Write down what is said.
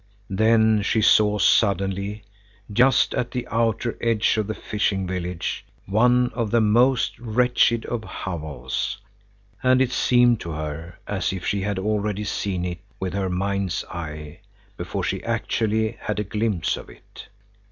Then she saw suddenly, just at the outer edge of the fishing village, one of the most wretched of hovels, and it seemed to her as if she had already seen it with her mind's eye before she actually had a glimpse of it.